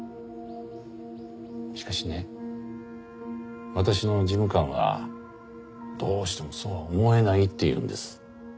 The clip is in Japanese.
しかしね私の事務官はどうしてもそうは思えないって言うんです。